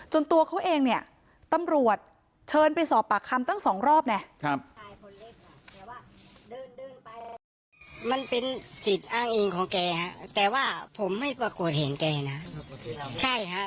ตัวเขาเองเนี่ยตำรวจเชิญไปสอบปากคำตั้ง๒รอบไง